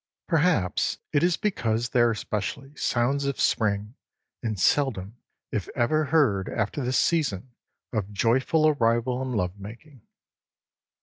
Perhaps it is because they are especially sounds of spring and seldom if ever heard after the season of joyful arrival and love making.